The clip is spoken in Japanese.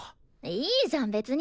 いいじゃん別に。